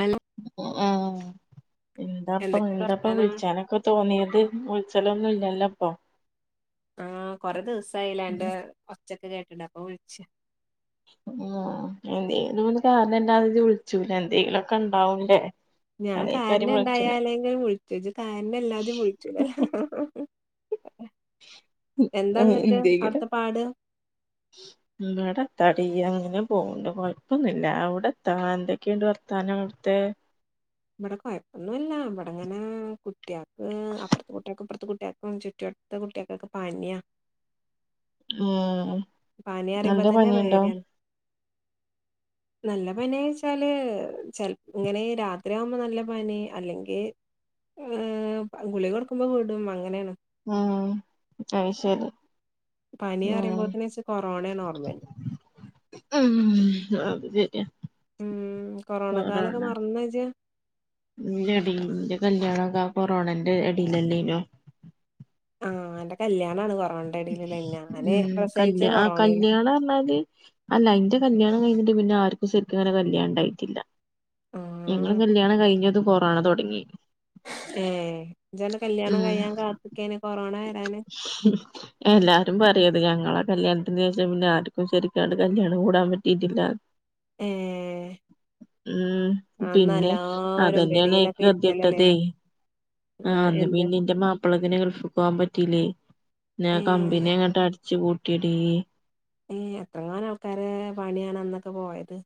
ആനെ എന്താപ്പ എന്തൊക്കെയാ എന്താപ്പ വർത്താനം വിളിച്ചനക്ക തോന്നിയത് വില്ച്ചലൊന്നും ഇല്ലല്ലോ അപ്പൊ ആകൊറെ ദിവസായില്ല അന്റെ ഒച്ചക്ക കേട്ടിട്ട് അപ്പൊ വിളിച്ച ഉ എന്തേലുംന്ന് കാരണം ഇ ല്ലാതെ അത് വിളിച്ചൂല എന്തേങ്കിലുഒ ക്കെ ഉണ്ടാവൂല്ലേ ഞാൻ കാരണം ഇണ്ടായാലെങ്കും വിളിച്ചു ഇത് കാരണംല്ലാതെയും വിളിച്ചൂല എന്താന്നിട്ട് അവിടുത്തെ പാട് ഇടെ ന്താ ടി അങ്ങനെ പോകണ്ട് കൊഴപ്പൊന്നില്ല അവിടെന്താ ന്ന് ഇന്തൊക്കെ വർത്താനം അവിടുത്തെ ഇവിടെ കുഴപ്പൊന്നും ഇല്ല ഇവിട ങ്ങനെ കുട്ടികൾക്ക് അപ്പുറത്തെ കുട്ടിയൾക്കും ഇ പ്പുറത്തെ കുട്ടിയൾക്കും ചുറ്റു ത്തെ കുട്ട്യാകൊക്കെ പന്യാ ആഹ് പനി അറിയുമ്പോ തന്നെ പേഡ്യാ ണ് നല്ല പനി വെച്ചാല് ചെ ല ഇങ്ങനെ രാത്രിയാവുമ്പോ നല്ല പനി അല്ലെങ്കി ഏഹ്അത് ഗുളിക കൊടുക്കുമ്പോ വിടും അങ്ങനെയാണ് ഉം അയ് ശരി പനി ഉം അറിയ്പോഴത്തനവെച്ച് കൊറോണയ ഓർമ്മേല് ഉ അത് ശെര്യാ ഉം കൊറോണ കാലൊക്കെ മറന്നജ്ജ് ഇല്ലെടി ന്റെ കല്യാണോ ക്കആ കൊറോണെ ന്റെ അടിൽല ല്ലേനോ ആഹ് അ ന്റെ കല്യാണണ് കൊറോണന്റെ ഇടയിലല്ലേ ഞാന് പ്രസവിച്ച കൊറോണേല ആണന്നാല് അല്ല ഇന്റെ കല്യാണം കഴ്ഞ്ഞിട്ട് പിന്നെ ആർക്കും സെരിക്കങ്ങനെ കല്യാണണ്ടായിട്ടില്ല. ഞങ്ങളെ ആഹ് കല്യാണകഴിഞ്ഞതും കൊറോണ തൊട്ങ്ങി ഏഹ് ഇജന്റെ കല്യാണം കഴിയാൻ കാത്ത്ക്കേന് കൊറോണ വരാന് ഉ എല്ലാരും പറയത് ഞങ്ങളെ കല്യാണ്ത്തിന്റെ ശേഷം പിന്നെ ആർക്കും ശരിക്കണ്ട് കല്യാണം കൂടാൻ പറ്റിയിട്ടില്ല ഏഹ് ഉം അന്ന് പിന്നെ എല്ലാരും അതന്നെയാണെ പെരീലൊക്കെ കെദ്യട്ടത് ഇരിക്കലല്ലേനോ ആ ആഹ് അന്ന് എന്ത് പിന്നെ ഇന്റെ മാപ്പിളത്തിനെ ഗൾഫ്പോവാംപറ്റീല്ലേ ന്നെ ഏഹ് കമ്പിനെ അങ്ങോട്ടട് ച്ച് പൂട്ടിയടീ ഏഹ് എത്രങ്ങാനആൾക്കാരെ പണിയാണ് അന്നൊക്കെ പോയത്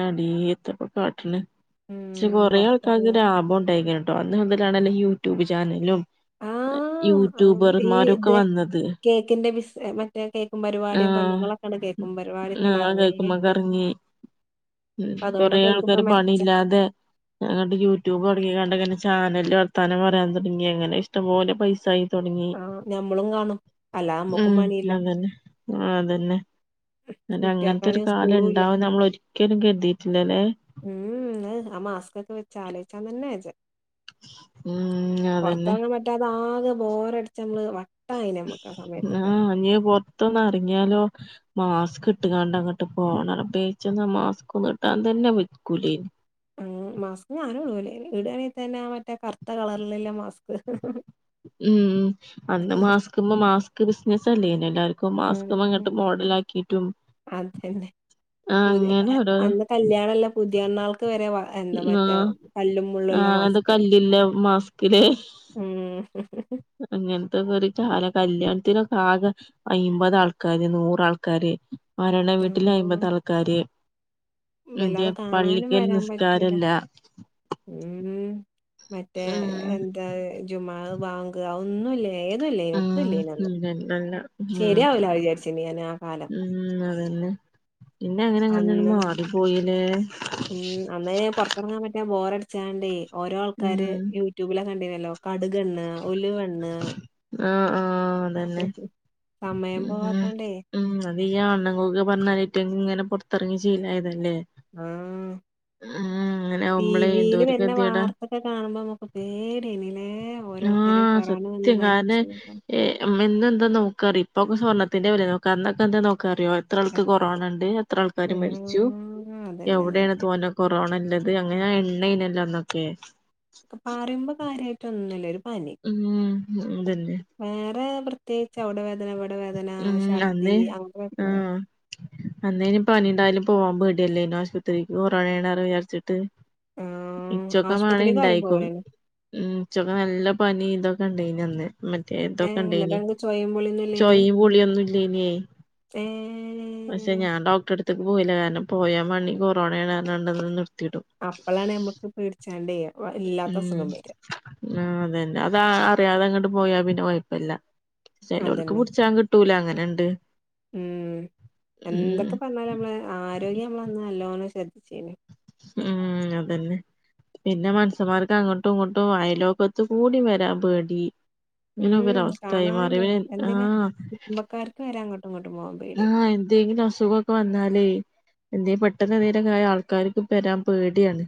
ആടീ എത്തപ്പൊ കാട്ട്ണ് ക്ഷെ ഉം കൊറെേ ആൾക്കാര്ക് പൊറത്തെറങ്ങ ലാഭം ഉണ്ടായിക്ണ്. ട്ടൊ അന്ന്മുതലാണല്ല യൂട്യൂബ്ചാനലും ആഹ് ഈ യൂട്യൂബർമാരൊക്കെ ഇത് വന്നത് കേക്കിന്റെ ബിസ് മറ്റേ കേക്കും പരിപാടിയും ആഹ് പെണ്ണുങ്ങളൊക്കെണ്ട് കേക്കും പരിപാടിയൊക്കെണ്ട് ആഹ് തഴിക്കുമ്മ അറങ്ങിട്ട് കറങ്ങി അപ്പ കൊറെേ അതോണ്ടൊക്കെ ഓൽക്കിപ്പ ആൾക്കാര് മെച്ച പണില്ലാതെ അങ്ങട്ട് യൂട്യൂബ് തൊടങ്ങിക്കാണ്ട്ങ്ങനെ ചാനല് വർത്താനം പറയാൻ തുടങ്ങി അങ്ങനെ ഇഷ്ടപോലെ പൈസ ആയി തൊടങ്ങി ആഹ് ഞമ്മളും കാണും അല്ലാതെ നമ്മക്കും പണിയില്ല മ് അതന്നെ അതന്നെ അല്ല അങ്ങൻത്തൊരു കുട്ടികൾക്കാണെങ്കിൽ സ്കൂളും ഇല്ല കാലംണ്ടാവുന്ന് നമ്മൾ ഒരിക്കലും കര്തിയിട്ടില്ലല്ലേ ഉം അഹ് അ മാസ്കൊക്കെ വെച്ച ആലോയിച്ചാതന്നെ വജ്ജ ഉ പൊർത്തെർങ്ങാൻ പറ്റാതെ ആകെ ബോറട്ച്ച് മ്മള് വ ആഹ് ഞ് പൊറത്തൊന്ന് എറിങ്ങിയാലോ മാസ്ക് ട്ട്കാണ്ട് അങ്ങട്ട് പോണറബ്ബേ ഇച്ചൊന്നു ആ മാസ്ക് ഒന്നും ഇടാൻതന്നെ വെയ്ക്കൂലേനി മാസ്ക് ഞാനും ഇടൂലേനി ഇടാണെതന്നെ ആ മറ്റേ കർത്തകളർല്ല്ലമാസ്ക് ഉം അന്ന് മാസ്ക്മ്മ മാസ്ക് ബിസിനസ് അല്ലേനി എല്ലാ ക്കും ഉം മാസ്ക്മ്മങ്ങട്ട് മോഡലാക്കിട്ടും അതന്നെ ആഹ് പുതിയ അങ്ങനെ ഓരോരോ അന്ന് കല്യാണല്ല പുതിയന്നാൾക്ക് വരെ വ എന്താ മറ്റേ ആഹ് കല്ലും മുള്ളുള്ള ആഹ് അത് മാസ്കേന് കല്ലില്ല മാസ്ക്ക്ലേ ഉം അങ്ങൻത്തെക്കൊരു കാല കല്യാണ്ത്തിനൊക്കെ ആകെ അയ്‌മ്പതാൾക്കാര് നൂറാൾക്കാര് മരണ വീട്ടില് ആഹ് അയ്‌മ്പതാൾക്കാര് അതെ വല്ലാതെ കാണാനും പള്ളിക്കൽ വരാൻ പറ്റൂല നിസ്കാരല്ല ഉം മറ്റേ ഉം എന്താ ജുമഹ്ബാങ്ക് അഒന്നുല്ലേ ഏതുല്ലെനി എത്തുല്ലേനി അന്ന് രണ്ടല്ല ശരി ആവൂല വിചാര്ചീനി എനാകാലം ഉം അതന്നെ പിന്നെ അങ്ങനെ അങ്ങന അന്ന് മാറി പോയില്ലേ ഉം അന്നേന് പൊറത്തെറങ്ങാൻ പറ്റാ ബോറടിച്ചാണ്ടേ ഓരോ ആൾക്കാര് ഉം യൂ ട്യൂബില കണ്ടീനല്ലോ കടുകെണ്ണ ഉലുവെണ്ണ ആഹ് ആഹ് അതന്നെ സമയം പോവാത്തോണ്ടേ ഉം അത് ഈ ആണ്ണംങ്ങൊക്കെ പറഞ്ഞാലയിറ്റ ഇങ്ങനെ പൊർത്തെർങ്ങി ശീലായതല്ലേ ആഹ് ഉം അങ്ങനെ ടി ആവുമ്പളേ വീല് എന്തോരു വെര്ന ഗതികേടാ വാർത്ത ക്കെ കാണുമ്പമ്മക്ക് പേടീയേനിലെ ആഹ് സത്യ കാരണേ ഏഹ് ഞമ്മന്നു എന്താ നോക്കാറി ഇപ്പൊക്കെ സ്വർണ്ണത്തിന്റെ വെലനോക്ക അന്നൊക്കെ എന്താ നോക്കാറിയോ എത്ര ആൾക്ക് കൊറോണണ്ട് എത്ര ആ, ആൾക്കാര് മരിച്ചു അതന്നെ എവിടെണ് അതന്നെ തോനെ കൊറോണല്ലത് അങ്ങനെ എണ്ണനില്ലൊ അന്നൊക്കെ പറിമ്പ കാര്യായിട്ട് ഒന്നുല്ല ഒരു പനി ഉം അതന്നെ വേറെ പ്രത്യേകിച്ച് അവിടെ വേദന ഇവിടെ വേദന ഛർദി അങ്ങനെ വെക്കുന്നേ അന്നേ ഇനിപ്പ പനിയണ്ടായാലും പോവാൻ പേടിയല്ലേ ഇന ആശുപത്രിക്ക് കൊറോണയാണ വിചാരിച്ചിട്ട് ആഹ് ഇച്ചൊക്കമാണ്ണ ആശുപത്രിക്ക് ആരും ഉണ്ടായിക്കും പോവൂലല്ലോ ഉ ഉച്ചൊക്കെ നല്ല പനി ഇതൊക്കെ ഉണ്ടനി അന്ന് മറ്റേ ഇതൊക്കെ ഉണ്ടായിനി സ്വയംപൊളി ചോയി പൊളിയൊന്നുംല്ലനേ ഏഹ് ഞാൻ ഡോക്ടറെ അടുത്തേക്ക് പോയില്ല കാരണം പോയാൽ മണി കൊറോണണ്ടന്ന് നിർത്തിയിടും അപ്പളാണ് നമ്മുക്ക് പേടിച്ചാണ്ട്യ ഇല്ലാത്ത ഉം അസുഖം വരി ആ അത തന്നെ അതാ അറിയാതെ അങ്ങോട്ട് പോയാ പിന്നെ വഴപ്പല്ല അതന്നെ കുടിച്ചാ കിട്ടൂല അങ്ങനെുണ്ട് ഉ എന്ന നമ്മെ ആരോഗ്യം നമ്മളന്ന് നല്ലോണം ശ്രദ്ധിച്ചേു ഉം അതന്നെ പിന്നെ മനസന്മാർക്ക് അങ്ങോട്ടും ഇങ്ങോട്ടും വയലോക്കത്ത് കൂടി വരാ പേടി ഉം ഇങ്ങനൊക്കൊരവസ്ഥായി മാറി പിന്നെ കാണാനുംഎന്തിനെ ആ കുടുംബക്കാർക്ക് വരാ അങ്ങോട്ടും ഇങ്ങോട്ടും പോകുമ്പ് ആഎന്തെങ്കിലും അസുഖം വന്നാലേ എന്ത പെട്ടെന്ന് നേരെക്കായ ആൾക്കാർക്ക് പരാൻ പേടിയാണ്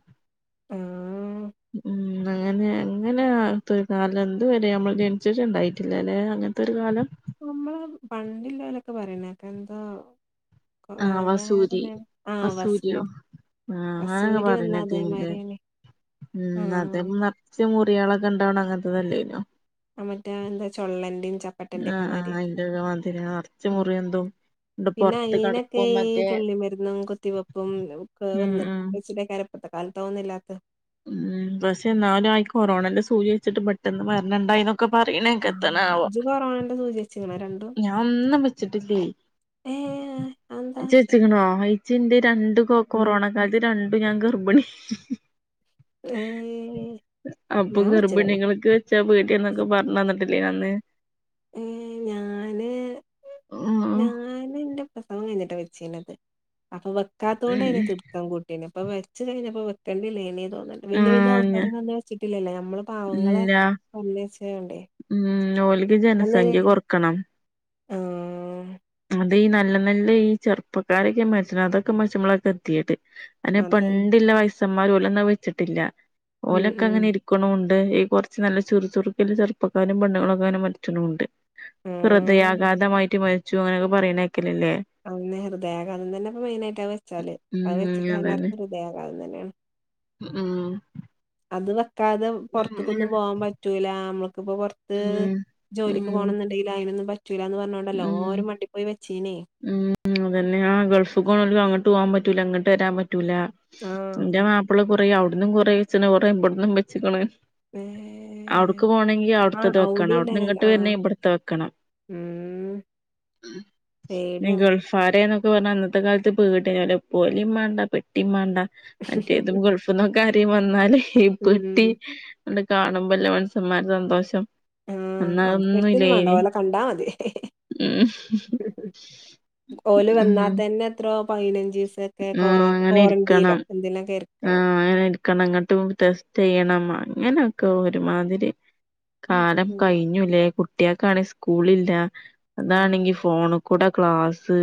ആഹ് ഉം അങ്ങനെ അങ്ങനെ ആത്തൊരു കാലം എന്തു വരെ നമ്മള് ജനിച്ചിട്ടുണ്ടായിട്ടില്ല അല്ലെ അങ്ങനത്തെ ഒരു കാലം നമ്മള് പണ്ടില്ലവരൊക്കെ പറയണക്ക എന്താ ആഹ് വസൂരി വസൂരിയോ [unintelligible] [inaudible] ആഹ് അങ്ങനൊക്കെ വസൂരി വന്നാ പറയണേട്ടില്ലേ അതേമാരിയാണ് ഉം അത് നറച്ച് മുറികളൊക്കെ ഉണ്ടാവ്ണ അങ്ങനത്തെതല്ലേയ്നോ മറ്റേ എന്താ ചൊള്ളന്റേം ആഹ് ആഹ് അയിന്റെക്കെ വതിരി മറച്ച മുറി എന്തും പിന്നെ അയിനൊക്കെ ഈ തുള്ളി മരുന്നും കൊത്തിവെപ്പും ഒ ഉം ഉം വന്നിട്ട്ച്ച ക ഇത്തെ കാലത്ത് തന്നില്ലാത്ത ഉം പക്ഷെ എന്നാലും ആയി കൊറോണന്റെ സൂചി വെച്ചിട്ട് പെട്ടെന്ന് വരണിണ്ടായി ഒക്കെ പറയണ കത്തണ ആവാ ഇജ്ജ് കൊറോണന്റെ സൂചി വെച്ച്ക്ക്ണോ രണ്ടും ഞാൻ ഒന്നും വെച്ചിട്ടില്ലേ ഏ എന്താ ണോ അച്ചിന്റെ രണ്ടു കൊറോണ കാലത്ത് രണ്ടു ഞാൻ ഗർഭിണി ഏ അപ്പൊ ഞാൻ വെച്ച്ക്ക്ണ് ഗർഭിണികൾകൊക്കെ വെച്ചാ വീട്ടിയന്നൊക്കെ പറഞ്ഞു തന്നിട്ടില്ലേ അന്ന് ഏ ഞാന് ഉം ഞാന് ഇന്റെ പ്രസവം കഴിഞ്ഞിട്ടാ വെചെന്നത് അപ്പൊ വെക്കാത്തുകൊണ്ട് അതിനെ തീർക്കാം കട്ടീന അപ്പൊ വെച്ച് കഴിഞ്ഞപ്പ വെക്കണ്ട ഇേനേ തോന്നില്ല വല്യ വല്യ ഉം ആൾക്കാരൊന്നും അന്ന് വെച്ചിട്ടില്ലല്ലോ നമ്മള് പാവങ്ങളെ ഇല്ല ഉം ഓല്ക്ക് അന്ന് ജനസംഖ്യ കൊറക്കണം ആഹ് അത് ഈ നല്ല നല്ല ഈ ചെറുപ്പക്കാരൊക്കെ മരിച്ച്ണ് അതൊക്കെ മരിച്ചുമ്പളൊക്കെ എത്തൈദ് അതന്നെ പണ്ടില്ല വയസ്സമാർ ഓലൊന്നത് വെച്ചിട്ടില്ല ഉം ഓലൊക്കെ ഉം അങ്ങനെ ഇരി ഇരിക്കുണുണ്ട് ഈ കുറച്ച് നല്ല ചുറു ചുറുക്ക്ല്ല ചെറുപ്പക്കാരും പെണ്ണുങ്ങളൊക്കെങ്ങനെ മരിച്ചുണൂണ്ട് ഉം ഹൃദയാഘാതമായിട്ട് മരിച്ചു അങ്ങനെയൊക്കെ പറീണെക്കലില്ലേ അതന്നെ ഹൃദയാഘാതം തന്നെപ്പൊ മെയിനായിട്ട് അത് വെച്ചാല് അത് ഉം വെച്ചിട്ട് അതന്നെ എല്ലാർക്കും ഹൃദയാഘാതം തന്നെയാണ് ഉം അത് വെക്കാതെ പൊറത്ത്ക്കൊന്നും അങ്ങനെങ്ങനെ പോവാൻ പറ്റൂല അമ്മൾക്കിപ്പോ പൊറത്ത് റത്ത് ഉം ഉം ജോലിക്ക് പോണംന്ന്ണ്ടെങ്കില് അയിനൊന്നും പറ്റൂലാന്ന് ഉം പറഞ്ഞോണ്ടല്ലോരും മണ്ടി പോയി വെച്ചീനേ ഉം അതന്നെ ആ ഗൾഫ്ക്ക് പോണോൽക്ക് അങ്ങട്ട് പോകാൻ പറ്റൂല ഇങ്ങട്ട് വരാൻ പറ്റൂല ആഹ് ഇന്റെ മാപ്പള കുറേ അവിട്ന്നും കുറേ വെച്ച്ണ് കൊറേ ഇവിടന്നും വെച്ച്ക്ക്ണ് ഏഹ് അവിടുക്ക് പോണെങ്കി ആഹ് അവിടുത്തത് വെക്കണം ഔടിം അവിട്ന്ന് ഇങ്ങട്ട് ഇണ്ടായിനല്ലോ ആഹ് വരണെങ്കി ഇവിടത്തെത് വെക്കണം ഉം ഈ പേടിയാണ് ഗൾഫാര്ന്നൊക്കെ പറഞ്ഞ അന്നത്തെ കാലത്ത് പേട്യാ പൊരിം മാണ്ട പെട്ടീം വേണ്ട മറ്റേതും ഗൾഫ്ന്നൊക്കെ ആരേലും വന്നാല് ഈ ഉം പെട്ടി ങ്ങണ്ട് കാണുമ്പല്ലേ മനുഷ്യന്മാരെ സന്തോഷം ആഹ് അന്ന് അന്നതൊന്നും പെട്ടിയൊന്നും വേണ്ട ഇല്ലേനി ഓലെ കണ്ടാ മതി ഉം ഓല് ഉം വന്നാൽ തന്നെ എത്രോ പയിനഞ്ചിസൊക്കെ ആഹ് അങ്ങനെ കോറെന്റീലോ എന്തിലൊക്കെ ഇരിക്കണം ക്കണം ങ്ങട്ട് ടെസ്റ്റ് ചെയ്യണം അങ്ങനെയൊക്കെ ഒരുമാതിരി കാലം ഉം കഴിഞ്ഞുല്ലേ കുട്ടിയേക്കാണെങ്കി സ്ക്കൂളില്ല ആഹ് അതാണെങ്കി ഫോണ് ക്കൂടെ ക്ലാസ്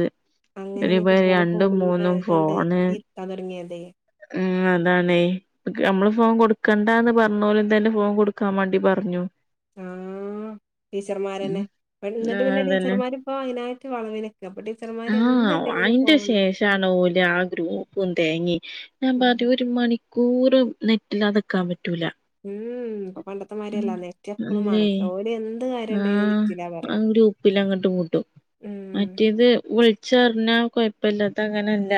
അങ്ങനെയാണ് ഈ ഒരുപെരീല് കുട്ടികള് രണ്ടും ഫോണുമ്മെ മൂന്നും കണ്ട് ഫോണ് ഇരിക്കാൻ തുടങ്ങിയതേ ഉം അതാണെയ് നമ്മള് ഫോൺ കൊടുക്കണ്ട എന്ന് പറഞ്ഞോലന്നെ ഫോൺ കൊടുക്കാൻ വേണ്ടി പറഞ്ഞു ആഹ് ഉം ടീച്ചർമാരന്നെ അയ്ന് ന്നിട്ട് ആഹ് പിന്നെ അതന്നെ ടീച്ചർമാർപ്പോ അയിനായിട്ട് വളവിന്ക്ക. ഇപ്പൊ ടീച്ചർമാര് എന്ത്ണ്ടെങ്കിലും ഫോൺ ഷാണ് ഓല്. ആ ഗ്രൂപ്പും തേങ്ങീ ഞാൻ ഉം പറയ ഒരു മണി കൂറും നെറ്റില്ലാതെക്കാൻ പറ്റൂല ഉം ഇപ്പൊ പണ്ടത്തെമാരിയല്ല നെറ്റ് എപ്പളും അല്ലേ വേണം ഓല് എന്ത് കാര്യ ആഹ് അതും കൂടി ഗ്രൂപിലങ്ങട്ട് വുടും ഉം മറ്റേത് ച്ചി പറഞ്ഞാ കുഴപ്പല്ലാ ഇതങ്ങനല്ല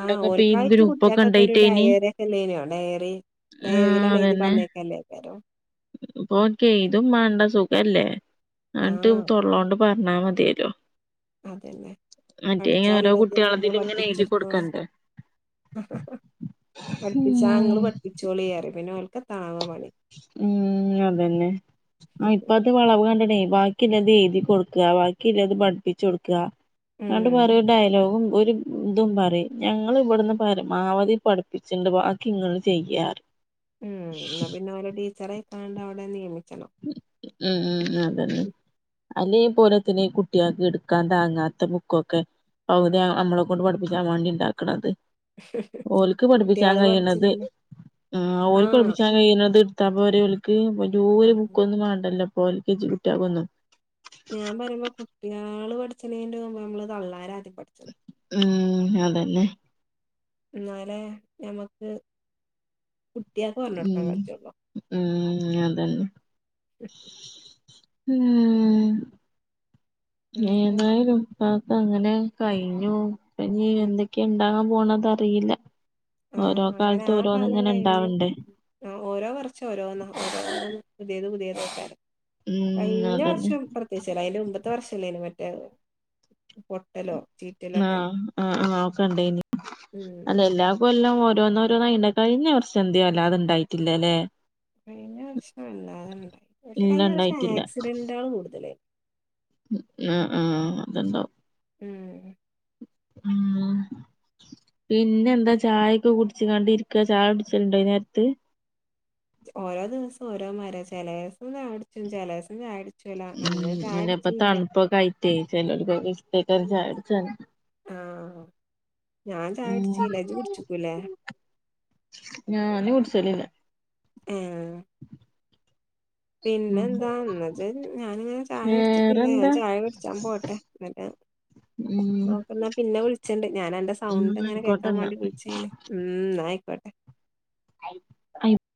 ആഹ് ഓൽക്കായിട്ട് കുട്ടികൾക്കൊക്കെ ഒരു ഉണ്ടായിട്ടേനി ഡയറി ഒക്കെല്ലേയ്നോ ഡയറി ഡയറീലങ്ങട്ട് എഴുതി പറഞ്ഞയക്കല്ലേക്കാരം ഇപ്പോൽക്ക് എയ്തും മാണ്ട സുഖല്ലേ എന്നിട്ട് തൊള്ളൊണ്ട് പറഞ്ഞാൽ മതിയല്ലോ അതെയല്ലേ മറ്റേ പഠിച്ച ഇങ്ങനെ ഓരോ ഉള്ളത് നമ്മള് കുട്ടികളതിൽ ഇങ്ങനെ എഴുതി പഠിപ്പിച്ചെടുത്തോളും കൊടുക്കണ്ടേ പഠിപ്പിചാ ഉം ങ്ങള് പഠിപ്പിച്ചോളി പറയും പിന്നെ ഓല്ക്ക് ന്താ പണി ഉം അതന്നെ ആ ഇപ്പ വളവ് കണ്ട്നേ ബാക്കില്ലത് എഴുതി കൊടുക്ക ബാക്കില്ലത് പഠിപ്പിച്ച് കൊടുക്ക ഉം ങ്ങട്ട് പറയും ഒര് ഡയലോഗും ഒരു ഇതും പറിം ഞങ്ങള് ഇവിടുന്ന് പരമാവധി പഠിപ്പിച്ചിണ്ട് ബാക്കി ഇങ്ങള് ചെയ്യാ പറിം ഉം എന്ന പിന്നെ ഓലെ ടീച്ചറെയ് ക്കാണ്ട് അവിടെ നിയമിച്ചണോ ഉം ഉം അതന്നെ അല്ലേ ഇപ്പോലെത്തിനാ ഈ കുട്ടിയാൾക്ക് ഇടുക്കാൻ താങ്ങാത്ത ബുക്കൊക്കെ പൗതി അമ്മളെക്കൊണ്ട് പഠിപ്പിച്ചാൻ മാണ്ടി ഇണ്ടാക്ക്ണത് ഓൽക്ക് പഠിപ്പിച്ചാൻ കുട്ട്യാള് കഴിയണത് പഠിച്ച്ണേന് ഓര്ക്ക് ആഹ് പഠിപ്പിച്ച കഴിണത് എടുത്തപ്പോരേ ഓൽക്ക്‌ വല്യൊരു അതെ ബുക്കൊന്നും വേണ്ടല്ലോ എൽകേജി കുട്ട്യോൾക്കൊന്നും ഞാൻ പറയുമ്പോ കുട്ട്യാള് പഠിചനെന്റെ മുമ്പ് നമ്മള് തള്ളാര ആദ്യം പഠിച്ചണം ഉം അതന്നെ എന്നാലേ ഞമ്മക്ക് കുട്ട്യേൽക്ക് പറഞോടക്കാൻ ഉം കജ്‌ജള്ളു ഉം അതന്നെ ഉം എന്നിട്ട് ഏതായാലും ഉപ്പാക്കങ്ങനെ കഴിഞ്ഞു എന്തൊക്കെയാ ഉണ്ടാകാൻ പോണത അറിയില്ല ആഹ് ഓരോ അങ്ങനെ കാലത്തും ആ ഓരോന്ന് കാലം ഇങ്ങനെ കഴിഞ്ഞു ഉണ്ടാവണ്ടേ ആ ഓരോ വർഷം ഓരോ ഓരോ പുതിയത് പുതിയതൊക്കാണ് ഉം കഴിഞ്ഞ അതന്നെ വർഷം പ്രത്യേകിച്ചല്ല അതിന് മുമ്പത്തെ വർഷംല്ല അയ്ന് മറ്റേ പൊട്ടലോ ചീറ്റലൊക്കെ ആഹ് ആഹ് ആഹ് ഒക്കെ ഉണ്ടായിനി അല്ല ഉം എല്ലാ ഇക്കൊല്ലം ഓരോന്നോരോന്നായി കഴിഞ്ഞ വർഷം എന്തെ ആവോ വല്ലാതെ ണ്ടായിട്ടില്ല ലേ കഴിഞ്ഞ വർഷം വല്ലാത ഉണ്ടായി പക്ഷെ ഇല്ല കഴിഞ്ഞ വർഷം ഇണ്ടായിട്ടില്ല ആക്സിഡൻ്റ് കള് കൂടുതല ആഹ് ആഹ് അത്ണ്ടാവും ഉം ഉം പിന്നെ എന്താ ചായൊക്കെ കുടിച്ചിങ്ങാണ്ടിരിക്കാ ചായുടിചെൽണ്ടാ ഈ നേരത്ത് ഓരോ ദിവസം ഓരോമാര ചെലേസം ചായടിച്ചും ചെലേസം ചായുടി ഉം അല്ല ഇപ്പൊ തണുപ്പൊക്കെയിട്ടേ ചിലർക്കൊക്കെ ഇഷ്ടക്കയ്ക്കാരം ചായുടിചാൻ ആഹ് ഞാൻ ഉം ചായുടിചീല ജ്ജി കുടിചുക്കുലെ ഞാന് കുടിച്ചലില്ല ഏഹ് പിന്നെ ഉം എന്താന്നജ് ഞാനിങ്ങനെ ചായടിച്ചിട്ടില്ല വേറെന്താ ഞാൻ ചായകുടിച്ചാൻ പോട്ടെ എന്നട്ട് ഉം ഒക്കെന്ന പിന്നെ വിളിച്ചണ്ട് ഞാനന്റെ ഉം സൗണ്ട് ഇങ്ങന ആയിക്കോട്ടെന്നാ കേൾകാമാണ്ടി വിളി ച്ചെയ്ന് ഉം ന്നാആയിക്കോട്ടെ ആയ്, അയ്